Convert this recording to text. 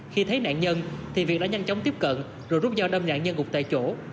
khi thấy nạn nhân thì việc đã nhanh chóng tiếp cận rồi rút dao đâm nạn nhân gục tại chỗ